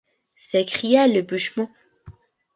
s’écria le bushman.